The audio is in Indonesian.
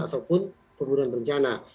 ataupun pembunuhan rencana